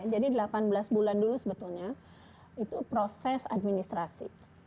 jadi delapan belas bulan dulu sebetulnya itu proses administrasi